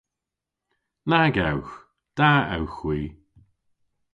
Nag ewgh. Da ewgh hwi.